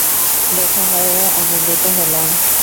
দেখা হয়ে আনন্দিত হলাম।